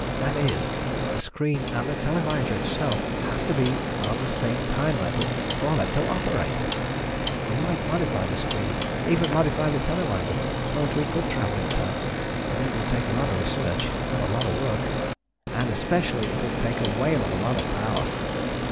That is, the screen and the televisor itself have to be on the same time level for them to operate. We might modify the screen, even modify the televisor so that we could travel in time, but it will take a lot of research, a lot of work. And especially it will take a whale of a lot of power."